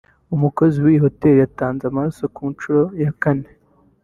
umukozi w’iyi Hoteri watanze amaraso ku nshuro ya kane